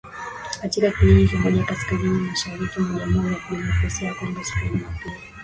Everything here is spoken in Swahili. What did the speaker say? katika kijiji kimoja kaskazini mashariki mwa Jamhuri ya Kidemokrasia ya Kongo siku ya Jumapili